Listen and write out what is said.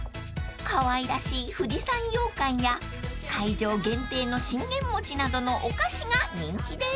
［かわいらしい富士山羊羹や会場限定の信玄餅などのお菓子が人気です］